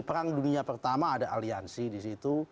perang dunia pertama ada aliansi di situ